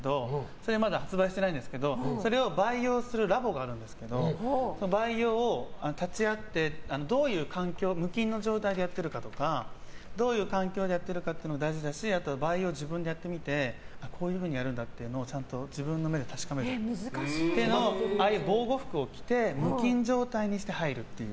それ、まだ発売してないんですけど、それを培養するラボがあるんですけど培養に立ち会ってどういう環境無菌の状態でやってるかとかどういう環境でやってるかというのも大事だしあと培養を自分でやってみてこういうふうにやるんだってちゃんと自分の目で確かめるというのを防護服を着て無菌状態に入るという。